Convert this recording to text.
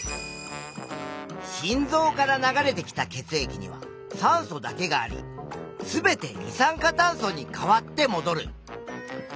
心臓から流れてきた血液には酸素だけがあり全て二酸化炭素に変わってもどる。